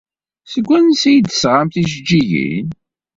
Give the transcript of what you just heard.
Seg wansi ay d-tesɣam tijeǧǧigin?